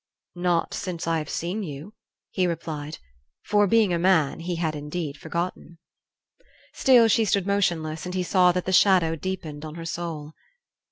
"Not since I have seen you," he replied; for, being a man, he had indeed forgotten. Still she stood motionless, and he saw that the shadow deepened on her soul.